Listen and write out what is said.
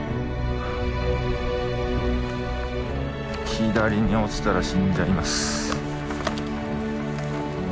左に落ちたら死んじゃいます。